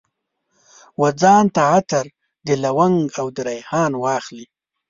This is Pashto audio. وځان ته عطر، د لونګ او دریحان واخلي